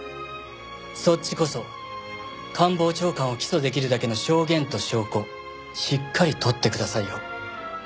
そっちこそ官房長官を起訴できるだけの証言と証拠しっかり取ってくださいよ。